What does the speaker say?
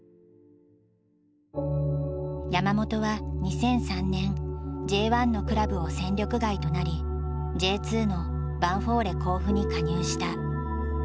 山本は２００３年Ｊ１のクラブを戦力外となりＪ２のヴァンフォーレ甲府に加入した。